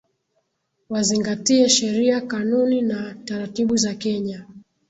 Wazingatie sheria kanuni na taratibu za Kenya